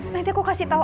nanti aku kasih tahu